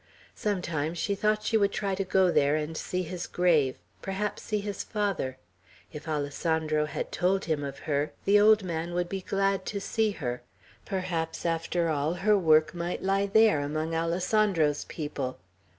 Sometimes she thought she would try to go there and see his grave, perhaps see his father; if Alessandro had told him of her, the old man would be glad to see her; perhaps, after all, her work might lie there, among Alessandro's people.